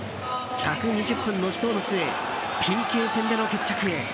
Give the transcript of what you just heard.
１２０分の死闘の末ＰＫ戦での決着へ。